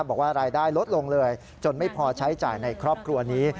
บอกว่ารายได้ลดลงเลยจนไม่พอใช้จ่ายในครอบครัวนี้